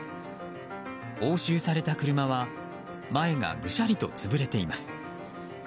押収された車は前がぐしゃりと潰れています。